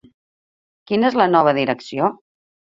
Quina és la nova direcció?